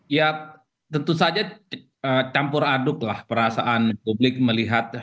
ya tentu saja campur aduk lah perasaan publik melihat